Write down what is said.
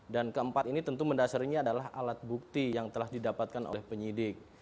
dan keempat ini tentu mendasarinya adalah alat bukti yang telah didapatkan oleh penyidik